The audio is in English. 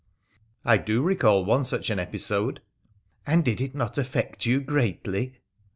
'' I do recall one such an episode.' ' And did it not affect you greatly